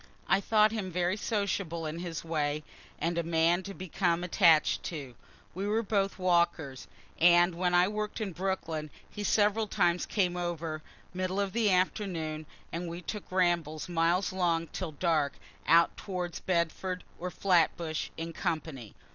I thought him very sociable in his way, and a man to become attach'd to. We were both walkers, and when I work'd in Brooklyn he several times came over, middle of afternoons, and we took rambles miles long, till dark, out towards Bedford or Flatbush, in company.